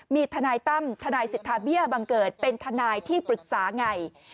มีทนายตั้มทนายสิทธาเบี้ยบังเกิดเป็นทนายที่ปรึกษาไง